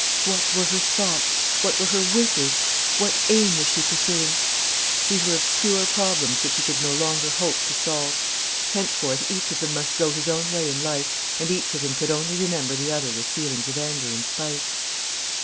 What were her thoughts? What were her wishes? What aim was she pursuing? These were obscure problems which he could no longer hope to solve. Henceforth each of them must go his own way in life and each of them could only remember the other with feelings of anger and spite.